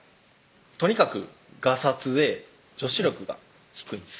とにかくガサツで女子力が低いんです